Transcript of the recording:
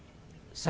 saya mencari jahat